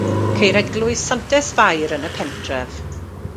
Ceir eglwys Santes Fair yn y pentref.